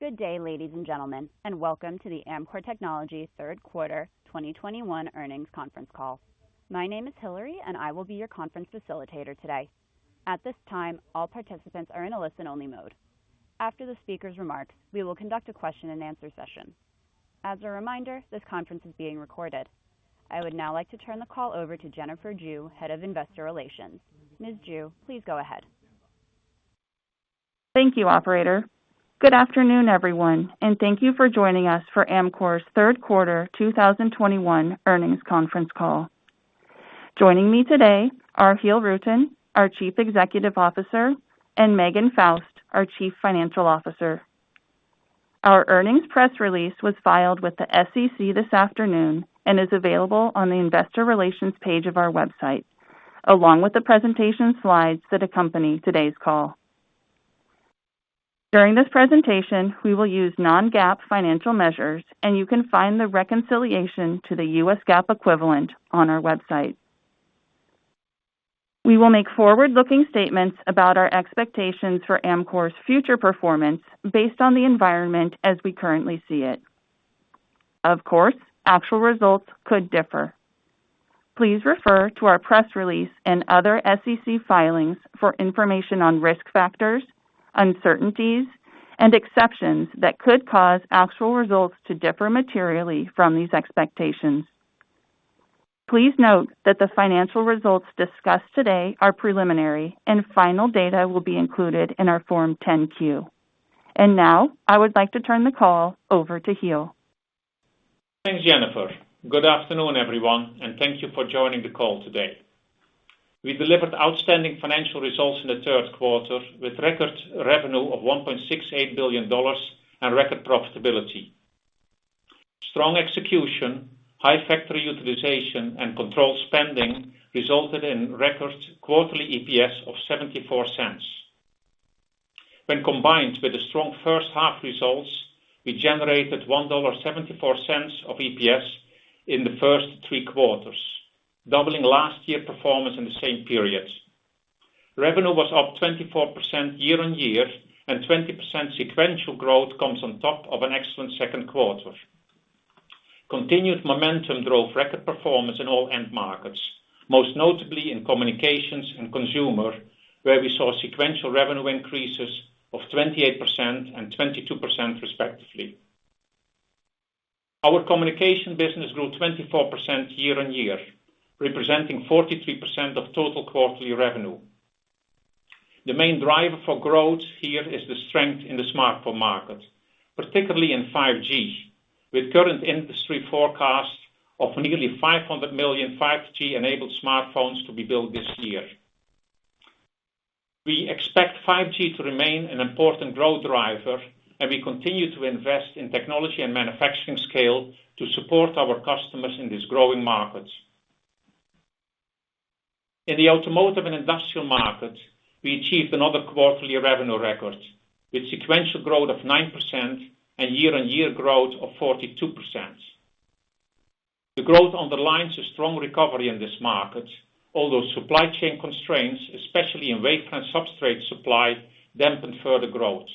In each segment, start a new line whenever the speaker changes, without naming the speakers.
Good day, ladies and gentlemen, and welcome to the Amkor Technology third quarter 2021 earnings conference call. My name is Hillary, and I will be your conference facilitator today. At this time, all participants are in a listen-only mode. After the speaker's remarks, we will conduct a question and answer session. As a reminder, this conference is being recorded. I would now like to turn the call over to Jennifer Jue, Head of Investor Relations. Ms. Jue, please go ahead.
Thank you, operator. Good afternoon, everyone, and thank you for joining us for Amkor's third quarter 2021 earnings conference call. Joining me today are Giel Rutten, our Chief Executive Officer, and Megan Faust, our Chief Financial Officer. Our earnings press release was filed with the SEC this afternoon and is available on the investor relations page of our website, along with the presentation slides that accompany today's call. During this presentation, we will use non-GAAP financial measures, and you can find the reconciliation to the U.S. GAAP equivalent on our website. We will make forward-looking statements about our expectations for Amkor's future performance based on the environment as we currently see it. Of course, actual results could differ. Please refer to our press release and other SEC filings for information on risk factors, uncertainties, and exceptions that could cause actual results to differ materially from these expectations. Please note that the financial results discussed today are preliminary, and final data will be included in our Form 10-Q. Now I would like to turn the call over to Giel.
Thanks, Jennifer. Good afternoon, everyone, and thank you for joining the call today. We delivered outstanding financial results in the third quarter with record revenue of $1.68 billion and record profitability. Strong execution, high factory utilization, and controlled spending resulted in record quarterly EPS of $0.74. When combined with the strong first half results, we generated $1.74 of EPS in the first three quarters, doubling last year's performance in the same period. Revenue was up 24% year-on-year, 20% sequential growth comes on top of an excellent second quarter. Continued momentum drove record performance in all end markets, most notably in communications and consumer, where we saw sequential revenue increases of 28% and 22% respectively. Our communication business grew 24% year-on-year, representing 43% of total quarterly revenue. The main driver for growth here is the strength in the smartphone market, particularly in 5G, with current industry forecasts of nearly 500 million 5G-enabled smartphones to be built this year. We expect 5G to remain an important growth driver, and we continue to invest in technology and manufacturing scale to support our customers in these growing markets. In the automotive and industrial market, we achieved another quarterly revenue record with sequential growth of 9% and year-on-year growth of 42%. The growth underlines a strong recovery in this market, although supply chain constraints, especially in wafer and substrate supply, dampened further growth.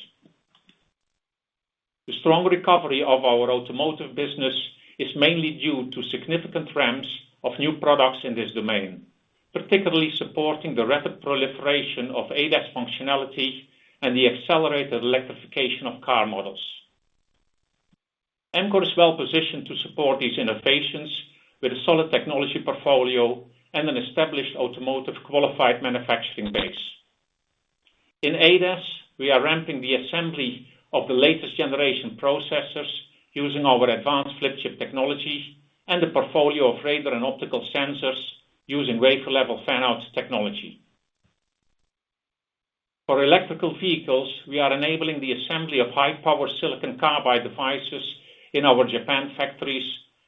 The strong recovery of our automotive business is mainly due to significant ramps of new products in this domain, particularly supporting the rapid proliferation of ADAS functionality and the accelerated electrification of car models. Amkor is well positioned to support these innovations with a solid technology portfolio and an established automotive qualified manufacturing base. In ADAS, we are ramping the assembly of the latest generation processors using our advanced flip chip technology and a portfolio of radar and optical sensors using wafer level fan-out technology. For electrical vehicles, we are enabling the assembly of high-power silicon carbide devices in our Japan factories,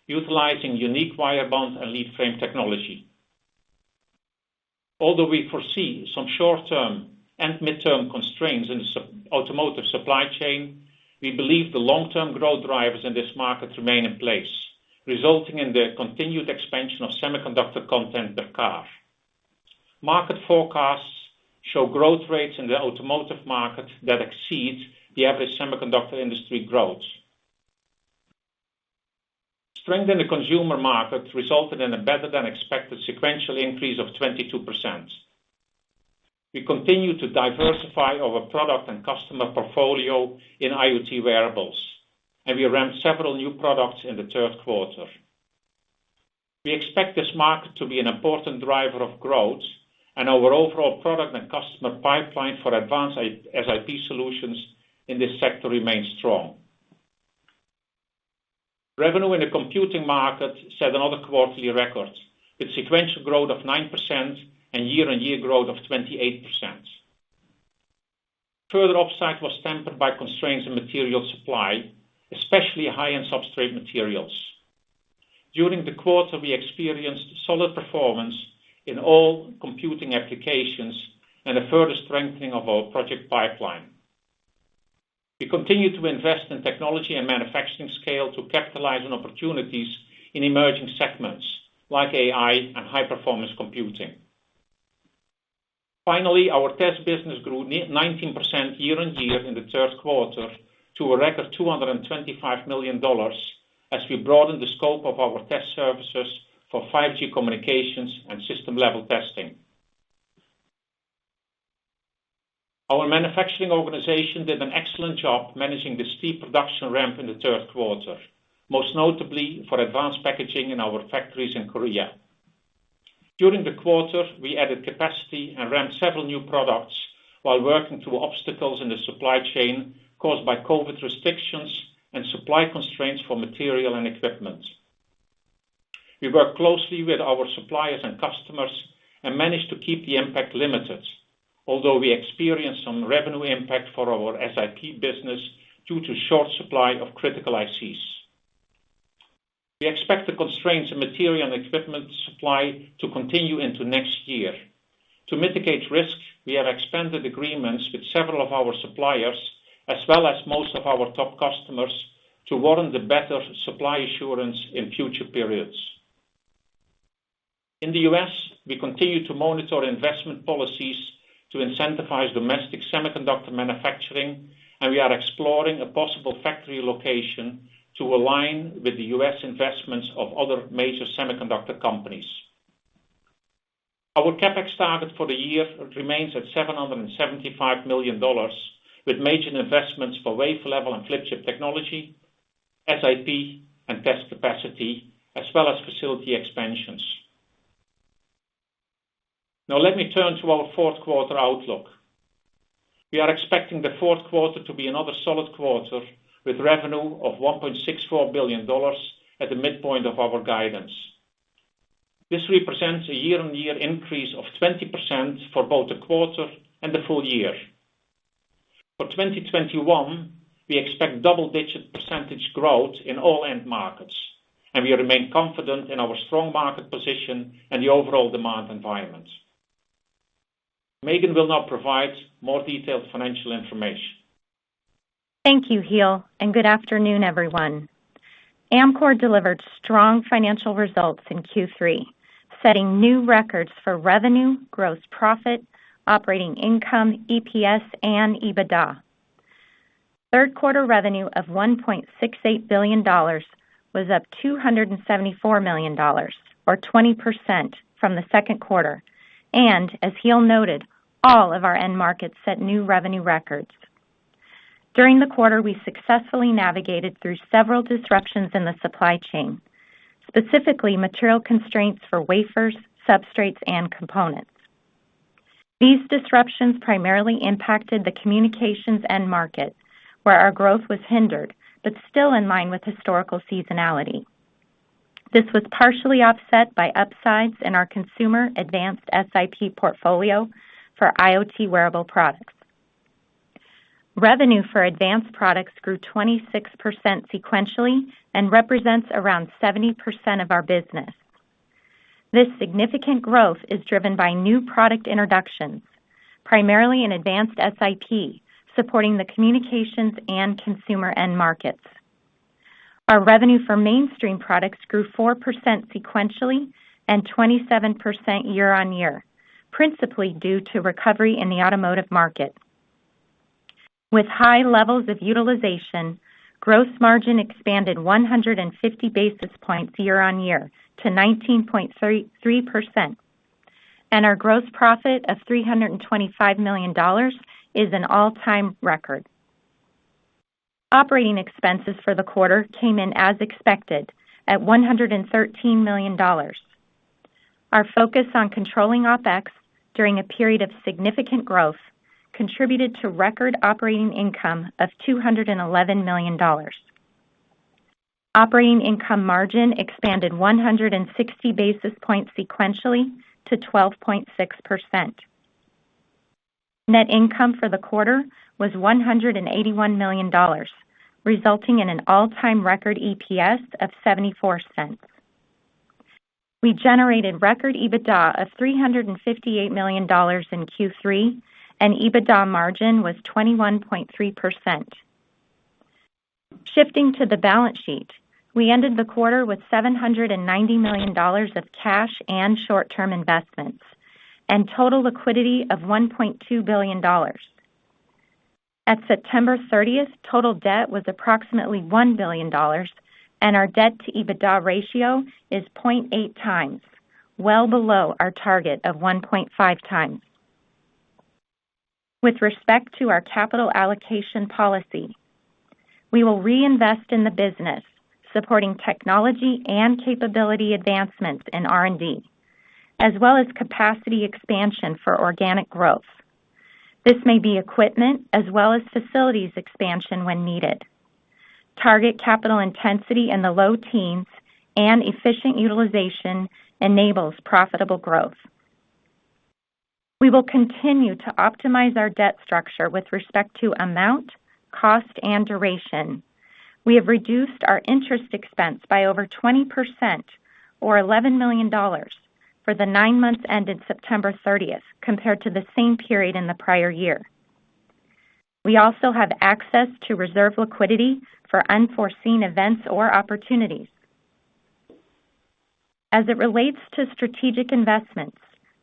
utilizing unique wire bond and lead frame technology. Although we foresee some short-term and mid-term constraints in the automotive supply chain, we believe the long-term growth drivers in this market remain in place, resulting in the continued expansion of semiconductor content per car. Market forecasts show growth rates in the automotive market that exceed the average semiconductor industry growth. Strength in the consumer market resulted in a better-than-expected sequential increase of 22%. We continue to diversify our product and customer portfolio in IoT wearables, and we ramped several new products in the third quarter. We expect this market to be an important driver of growth, and our overall product and customer pipeline for advanced SIP solutions in this sector remains strong. Revenue in the computing market set another quarterly record, with sequential growth of 9% and year-on-year growth of 28%. Further upside was tempered by constraints in material supply, especially high-end substrate materials. During the quarter, we experienced solid performance in all computing applications and a further strengthening of our project pipeline. We continue to invest in technology and manufacturing scale to capitalize on opportunities in emerging segments like AI and high-performance computing. Finally, our test business grew 19% year-on-year in the third quarter to a record $225 million as we broadened the scope of our test services for 5G communications and system-level testing. Our manufacturing organization did an excellent job managing the steep production ramp in the third quarter, most notably for advanced packaging in our factories in Korea. During the quarter, we added capacity and ramped several new products while working through obstacles in the supply chain caused by COVID restrictions and supply constraints for material and equipment. We work closely with our suppliers and customers and managed to keep the impact limited. Although we experienced some revenue impact for our SIP business due to short supply of critical ICs. We expect the constraints in material and equipment supply to continue into next year. To mitigate risk, we have expanded agreements with several of our suppliers, as well as most of our top customers, to warrant the better supply assurance in future periods. In the U.S., we continue to monitor investment policies to incentivize domestic semiconductor manufacturing. We are exploring a possible factory location to align with the U.S. investments of other major semiconductor companies. Our CapEx target for the year remains at $775 million, with major investments for wafer level and flip chip technology, SIP, and test capacity, as well as facility expansions. Let me turn to our fourth quarter outlook. We are expecting the fourth quarter to be another solid quarter, with revenue of $1.64 billion at the midpoint of our guidance. This represents a year-on-year increase of 20% for both the quarter and the full year. For 2021, we expect double-digit % growth in all end markets, and we remain confident in our strong market position and the overall demand environment. Megan will now provide more detailed financial information.
Thank you, Giel, and good afternoon, everyone. Amkor delivered strong financial results in Q3, setting new records for revenue, gross profit, operating income, EPS, and EBITDA. Third quarter revenue of $1.68 billion was up $274 million, or 20%, from the second quarter. As Giel noted, all of our end markets set new revenue records. During the quarter, we successfully navigated through several disruptions in the supply chain, specifically material constraints for wafers, substrates, and components. These disruptions primarily impacted the communications end market, where our growth was hindered, but still in line with historical seasonality. This was partially offset by upsides in our consumer advanced SIP portfolio for IoT wearable products. Revenue for advanced products grew 26% sequentially and represents around 70% of our business. This significant growth is driven by new product introductions, primarily in advanced SIP, supporting the communications and consumer end markets. Our revenue for mainstream products grew 4% sequentially and 27% year-on-year, principally due to recovery in the automotive market. With high levels of utilization, gross margin expanded 150 basis points year-on-year to 19.3%, and our gross profit of $325 million is an all-time record. Operating expenses for the quarter came in as expected at $113 million. Our focus on controlling OpEx during a period of significant growth contributed to record operating income of $211 million. Operating income margin expanded 160 basis points sequentially to 12.6%. Net income for the quarter was $181 million, resulting in an all-time record EPS of $0.74. We generated record EBITDA of $358 million in Q3, and EBITDA margin was 21.3%. Shifting to the balance sheet, we ended the quarter with $790 million of cash and short-term investments and total liquidity of $1.2 billion. At September 30th, total debt was approximately $1 billion, and our debt to EBITDA ratio is 0.8x, well below our target of 1.5x. With respect to our capital allocation policy, we will reinvest in the business, supporting technology and capability advancements in R&D, as well as capacity expansion for organic growth. This may be equipment as well as facilities expansion when needed. Target capital intensity in the low teens and efficient utilization enables profitable growth. We will continue to optimize our debt structure with respect to amount, cost, and duration. We have reduced our interest expense by over 20%, or $11 million, for the nine months ended September 30th compared to the same period in the prior year. We also have access to reserve liquidity for unforeseen events or opportunities. As it relates to strategic investments,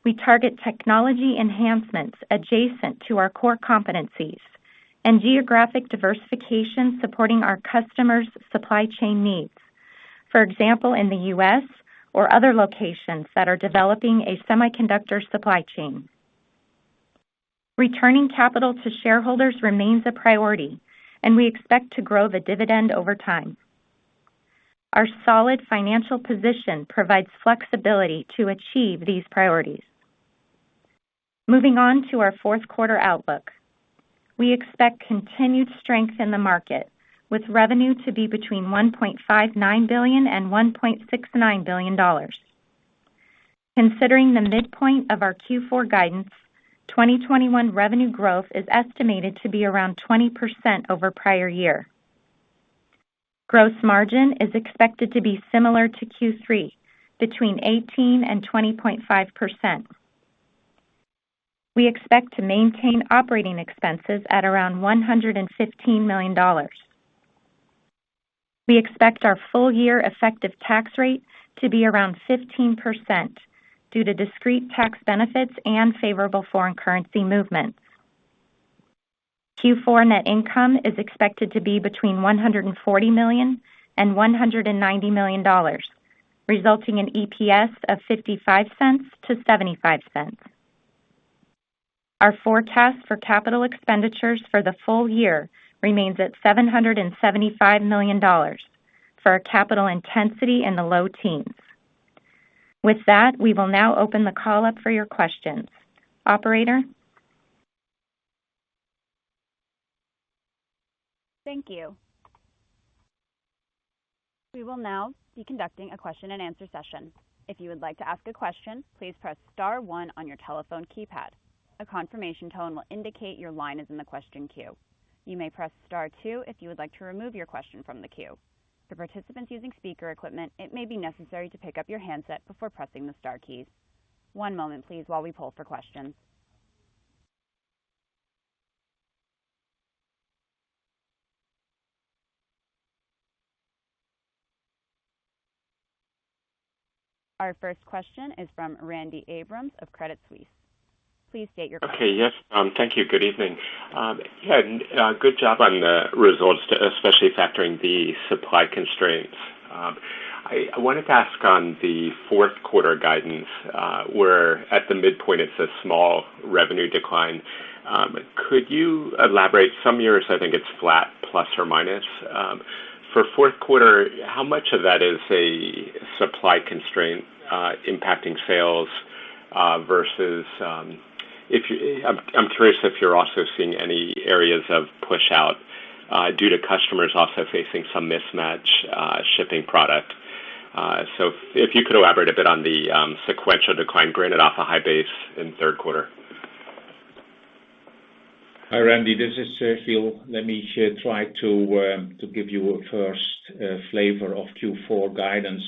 we target technology enhancements adjacent to our core competencies and geographic diversification supporting our customers' supply chain needs. For example, in the U.S. or other locations that are developing a semiconductor supply chain. Returning capital to shareholders remains a priority, and we expect to grow the dividend over time. Our solid financial position provides flexibility to achieve these priorities. Moving on to our fourth quarter outlook. We expect continued strength in the market, with revenue to be between $1.59 billion and $1.69 billion. Considering the midpoint of our Q4 guidance, 2021 revenue growth is estimated to be around 20% over prior year. Gross margin is expected to be similar to Q3, between 18% and 20.5%. We expect to maintain operating expenses at around $115 million. We expect our full year effective tax rate to be around 15% due to discrete tax benefits and favorable foreign currency movements. Q4 net income is expected to be between $140 million and $190 million, resulting in EPS of $0.55-$0.75. Our forecast for capital expenditures for the full year remains at $775 million for a capital intensity in the low teens. With that, we will now open the call up for your questions. Operator?
Our first question is from Randy Abrams of Credit Suisse. Please state your question.
Okay. Yes. Thank you. Good evening. Yeah, good job on the results, especially factoring the supply constraints. I wanted to ask on the fourth quarter guidance, where at the midpoint it says small revenue decline. Could you elaborate? Some years, I think it's flat, plus or minus. For fourth quarter, how much of that is a supply constraint impacting sales, versus, I'm curious if you're also seeing any areas of push-out due to customers also facing some mismatch shipping product. If you could elaborate a bit on the sequential decline, granted off a high base in third quarter.
Hi, Randy. This is Giel. Let me try to give you a first flavor of Q4 guidance.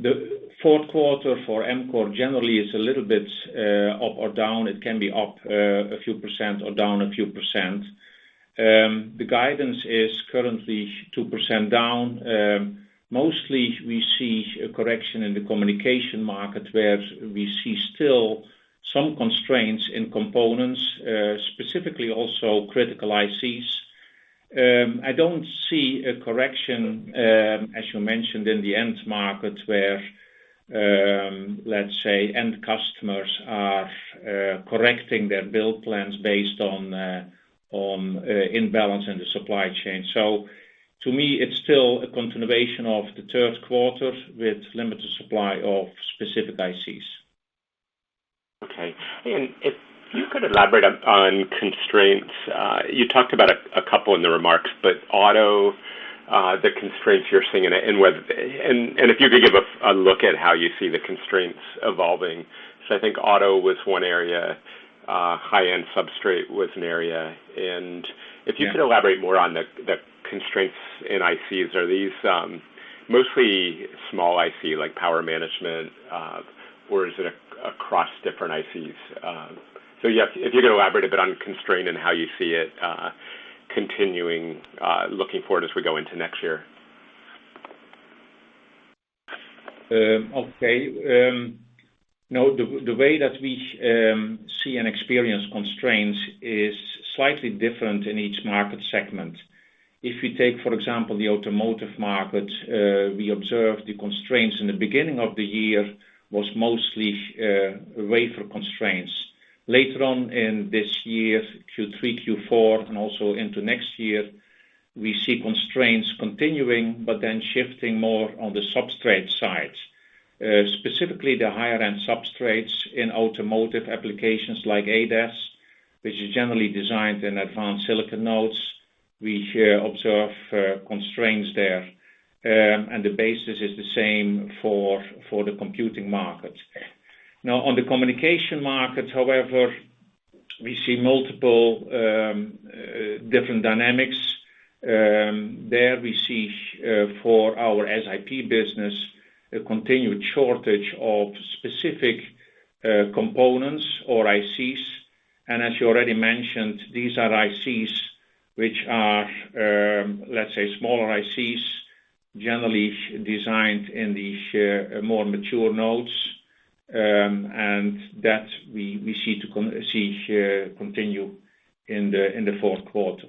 The fourth quarter for Amkor generally is a little bit up or down. It can be up a few percent or down a few percent. The guidance is currently 2% down. Mostly, we see a correction in the communication market, where we see still some constraints in components, specifically also critical ICs. I don't see a correction, as you mentioned, in the end market where, let's say, end customers are correcting their build plans based on imbalance in the supply chain. To me, it's still a continuation of the third quarter with limited supply of specific ICs.
Okay. If you could elaborate on constraints. You talked about couple in the remarks, but auto, the constraints you're seeing in it, and if you could give a look at how you see the constraints evolving. I think auto was one area, high-end substrate was an area. If you could elaborate more on the constraints in ICs. Are these mostly small IC, like power management? Is it across different ICs? Yeah, if you could elaborate a bit on constraint and how you see it continuing, looking forward as we go into next year.
Okay. The way that we see and experience constraints is slightly different in each market segment. If we take, for example, the automotive market, we observed the constraints in the beginning of the year was mostly wafer constraints. Later on in this year, Q3, Q4, and also into next year, we see constraints continuing, shifting more on the substrate side. Specifically, the higher-end substrates in automotive applications like ADAS, which is generally designed in advanced silicon nodes. We observe constraints there, the basis is the same for the computing market. On the communication market, however, we see multiple different dynamics. There we see for our SIP business, a continued shortage of specific components or ICs. As you already mentioned, these are ICs which are, let's say, smaller ICs, generally designed in the more mature nodes, that we see continue in the fourth quarter.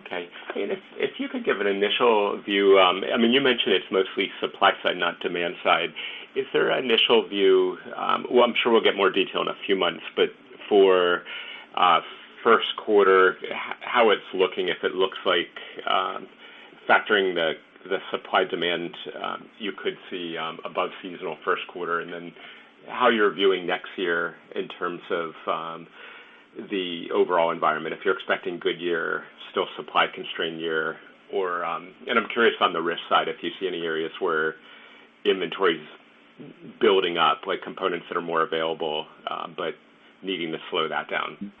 Okay. If you could give an initial view, you mentioned it's mostly supply side, not demand side. Is there an initial view, well, I'm sure we'll get more detail in a few months, but for first quarter, how it's looking, if it looks like factoring the supply-demand, you could see above seasonal first quarter, and then how you're viewing next year in terms of the overall environment, if you're expecting good year, still supply-constrained year? I'm curious on the risk side, if you see any areas where inventory's building up, like components that are more available, but needing to slow that down.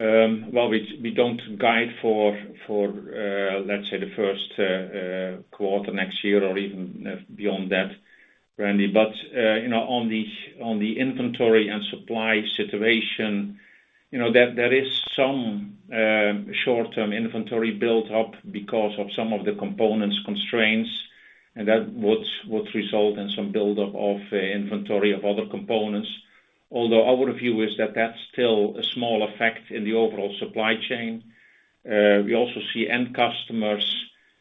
Well, we don't guide for, let's say, the first quarter next year or even beyond that, Randy. On the inventory and supply situation, there is some short-term inventory built up because of some of the components constraints, and that would result in some buildup of inventory of other components. Although our view is that that's still a small effect in the overall supply chain. We also see end customers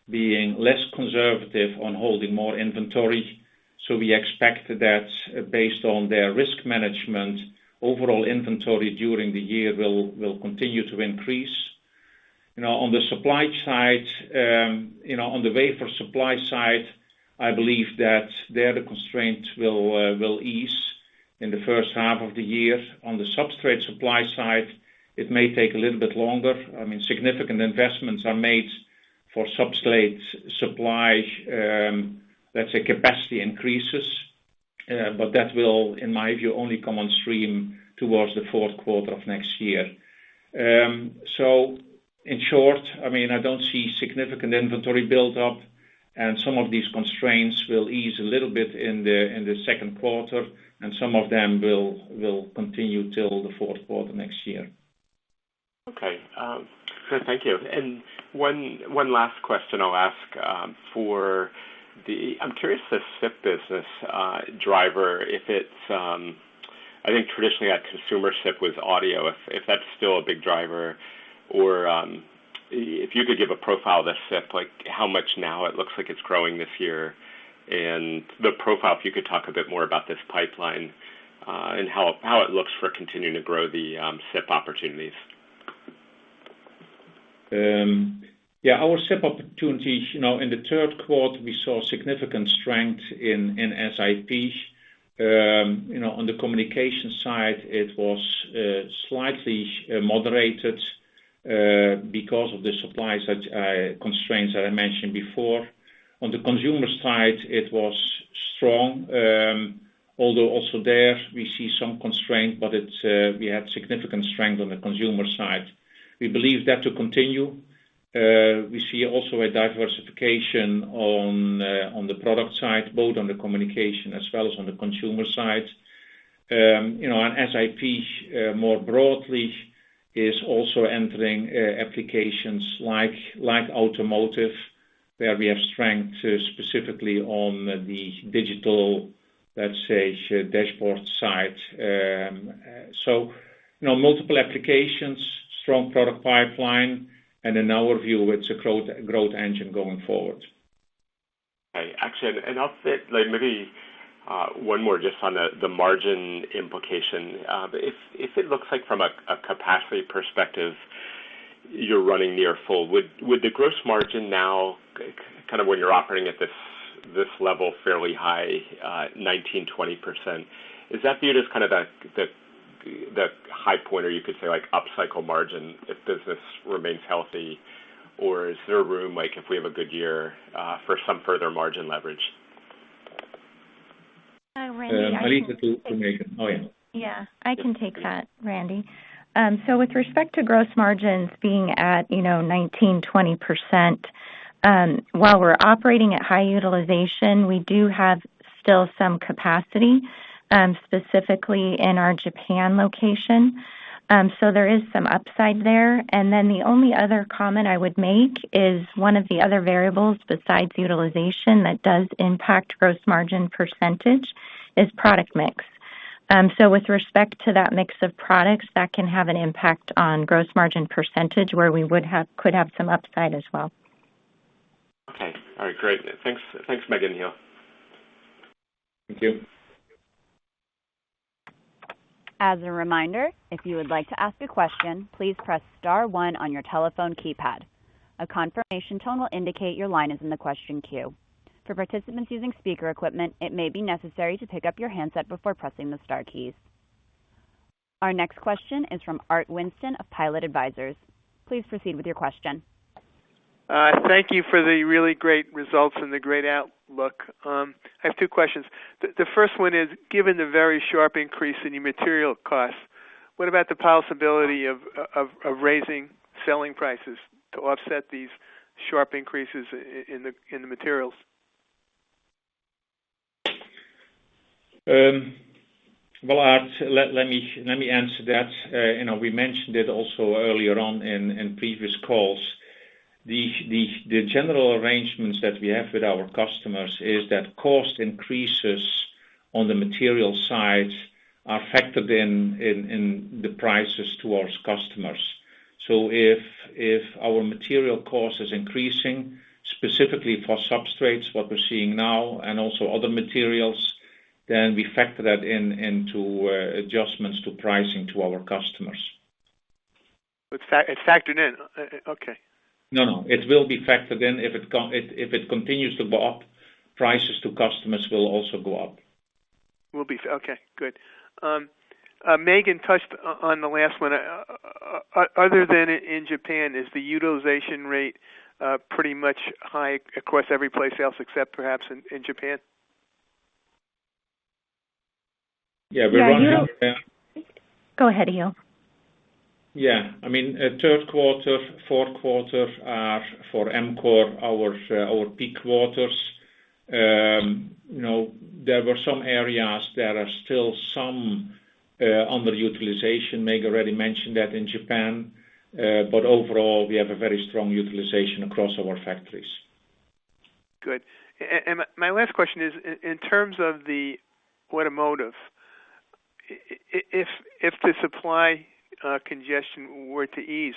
being less conservative on holding more inventory. We expect that based on their risk management, overall inventory during the year will continue to increase. On the wafer supply side, I believe that there, the constraint will ease in the first half of the year. On the substrate supply side, it may take a little bit longer. Significant investments are made for substrate supply, let's say, capacity increases. That will, in my view, only come on stream towards the fourth quarter of next year. In short, I don't see significant inventory build-up, and some of these constraints will ease a little bit in the second quarter, and some of them will continue till the fourth quarter next year.
Okay. Great. Thank you. One last question I'll ask. I'm curious, the SIP business driver, I think traditionally, that consumer SIP was audio, if that's still a big driver, or if you could give a profile of the SIP, like how much now it looks like it's growing this year, and the profile, if you could talk a bit more about this pipeline, and how it looks for continuing to grow the SIP opportunities.
Our SIP opportunities, in the third quarter, we saw significant strength in SIP. On the communication side, it was slightly moderated because of the supply constraints that I mentioned before. On the consumer side, it was strong, although also there, we see some constraint, but we had significant strength on the consumer side. We believe that to continue. We see also a diversification on the product side, both on the communication as well as on the consumer side. SIP, more broadly, is also entering applications like automotive, where we have strength specifically on the digital, let's say, dashboard side. Multiple applications, strong product pipeline, and in our view, it's a growth engine going forward.
Actually, I'll say maybe one more just on the margin implication. If it looks like from a capacity perspective, you're running near full, would the gross margin now, kind of when you're operating at this level, fairly high, 19%-20%, is that viewed as kind of the high point, or you could say up cycle margin, if business remains healthy, or is there room, if we have a good year, for some further margin leverage?
Randy.
Megan Faust, Oh, yeah.
I can take that, Randy. With respect to gross margins being at 19%-20%, while we're operating at high utilization, we do have still some capacity, specifically in our Japan location. There is some upside there. The only other comment I would make is one of the other variables besides utilization that does impact gross margin percentage is product mix. With respect to that mix of products, that can have an impact on gross margin percentage, where we could have some upside as well.
Okay. All right. Great. Thanks, Megan. Yeah.
Thank you.
Our next question is from Art Winston of Pilot Advisors. Please proceed with your question.
Thank you for the really great results and the great outlook. I have two questions. The first one is, given the very sharp increase in your material costs, what about the possibility of raising selling prices to offset these sharp increases in the materials?
Well, Art, let me answer that. We mentioned it also earlier on in previous calls. The general arrangements that we have with our customers is that cost increases on the material side are factored in the prices to our customers. If our material cost is increasing, specifically for substrates, what we're seeing now, and also other materials, then we factor that into adjustments to pricing to our customers.
It's factored in? Okay.
No. It will be factored in. If it continues to go up, prices to customers will also go up.
Good. Megan touched on the last one. Other than in Japan, is the utilization rate pretty much high across every place else except perhaps in Japan?
Yeah.
Yeah.
Yeah.
Go ahead, Giel.
Yeah. Third quarter, fourth quarter are, for Amkor, our peak quarters. There were some areas there are still some underutilization. Meg already mentioned that in Japan. Overall, we have a very strong utilization across our factories.
Good. My last question is, in terms of the automotive, if the supply congestion were to ease,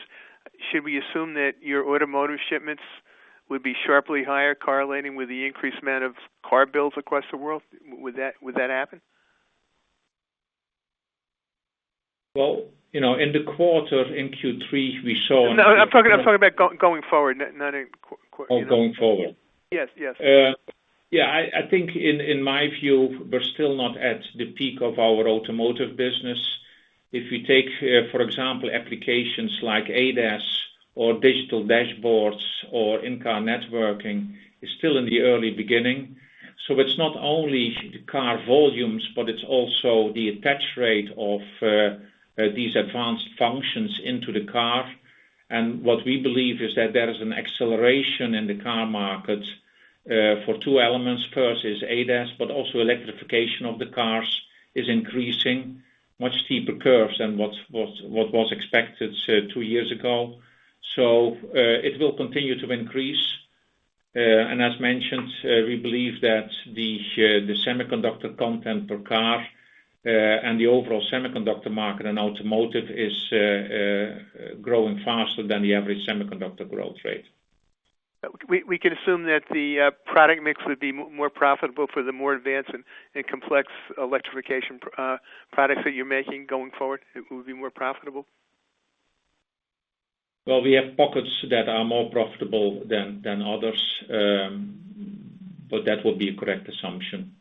should we assume that your automotive shipments would be sharply higher correlating with the increased amount of car builds across the world? Would that happen?
Well, in the quarter, in Q3.
No, I'm talking about going forward, not in quarter.
Oh, going forward.
Yes.
Yeah. I think in my view, we're still not at the peak of our automotive business. If we take, for example, applications like ADAS or digital dashboards or in-car networking, it's still in the early beginning. It's not only the car volumes, but it's also the attach rate of these advanced functions into the car. What we believe is that there is an acceleration in the car market, for two elements. First is ADAS, but also electrification of the cars is increasing much steeper curves than what was expected two years ago. It will continue to increase. As mentioned, we believe that the semiconductor content per car, and the overall semiconductor market and automotive is growing faster than the average semiconductor growth rate.
We can assume that the product mix would be more profitable for the more advanced and complex electrification products that you're making going forward? It will be more profitable?
Well, we have pockets that are more profitable than others. That would be a correct assumption.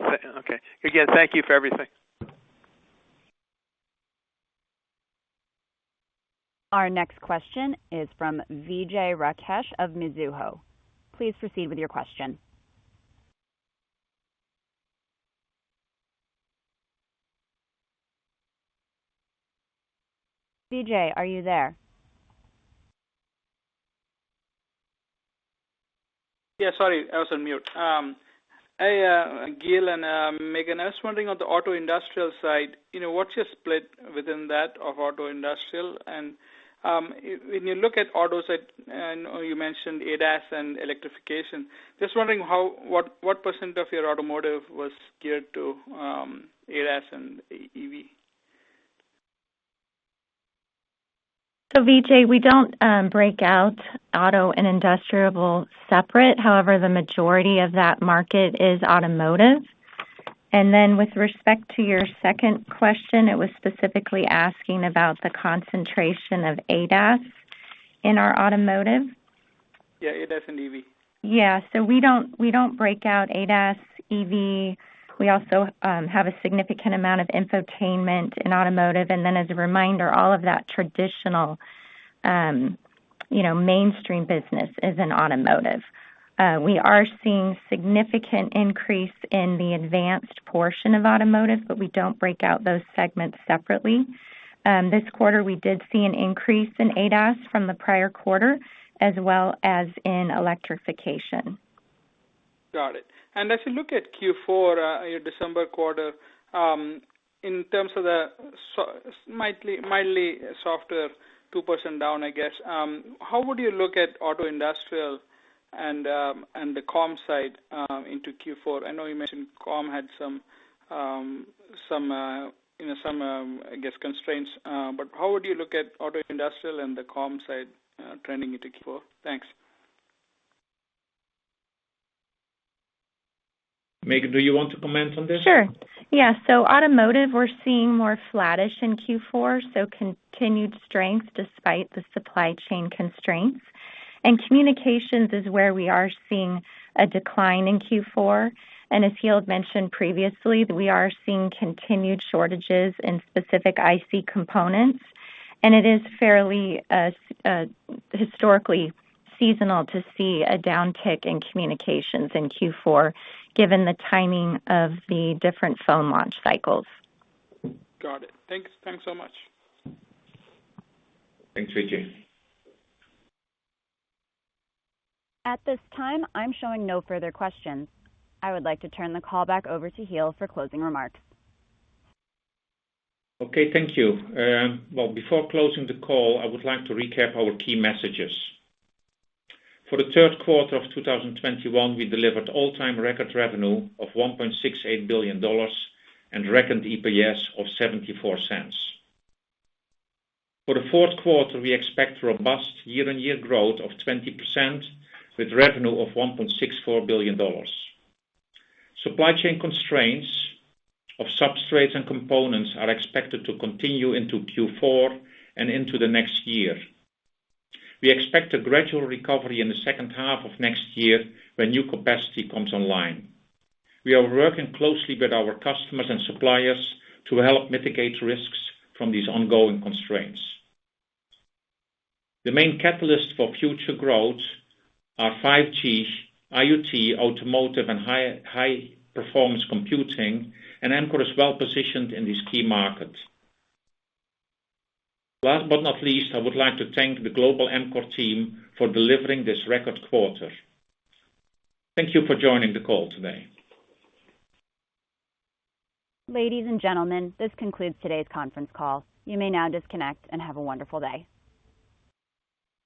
Okay. Again, thank you for everything.
Our next question is from Vijay Rakesh of Mizuho. Please proceed with your question. Vijay, are you there?
Yeah. Sorry, I was on mute. Hi, Giel and Megan. I was wondering on the auto industrial side, what's your split within that of auto industrial? When you look at autos, I know you mentioned ADAS and electrification. Just wondering what % of your automotive was geared to ADAS and EV?
Vijay, we don't break out auto and industrial separate. However, the majority of that market is automotive. With respect to your second question, it was specifically asking about the concentration of ADAS in our automotive?
Yeah, ADAS and EV.
Yeah. We don't break out ADAS, EV. We also have a significant amount of infotainment in automotive. As a reminder, all of that traditional mainstream business is in automotive. We are seeing significant increase in the advanced portion of automotive. We don't break out those segments separately. This quarter, we did see an increase in ADAS from the prior quarter, as well as in electrification.
Got it. As you look at Q4, your December quarter, in terms of the mildly softer 2% down, I guess, how would you look at auto industrial and the comms side into Q4? I know you mentioned comm had some, I guess, constraints. How would you look at auto industrial and the comms side trending into Q4? Thanks.
Megan, do you want to comment on this?
Sure. Yeah. Automotive, we're seeing more flattish in Q4, so continued strength despite the supply chain constraints. Communications is where we are seeing a decline in Q4, and as Giel had mentioned previously, we are seeing continued shortages in specific IC components, and it is fairly historically seasonal to see a downtick in communications in Q4, given the timing of the different phone launch cycles.
Got it. Thanks so much.
Thanks, Vijay.
At this time, I'm showing no further questions. I would like to turn the call back over to Giel for closing remarks.
Okay. Thank you. Well, before closing the call, I would like to recap our key messages. For the third quarter of 2021, we delivered all-time record revenue of $1.68 billion and record EPS of $0.74. For the fourth quarter, we expect robust year-on-year growth of 20%, with revenue of $1.64 billion. Supply chain constraints of substrates and components are expected to continue into Q4 and into the next year. We expect a gradual recovery in the second half of next year, when new capacity comes online. We are working closely with our customers and suppliers to help mitigate risks from these ongoing constraints. The main catalysts for future growth are 5G, IoT, automotive, and high-performance computing, and Amkor is well-positioned in these key markets. Last but not least, I would like to thank the global Amkor team for delivering this record quarter. Thank you for joining the call today.
Ladies and gentlemen, this concludes today's conference call. You may now disconnect, and have a wonderful day.